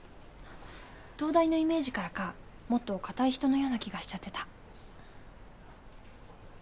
東大のイメージからかもっと堅い人のような気がしちゃってた。